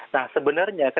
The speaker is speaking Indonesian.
nah sebenarnya ketika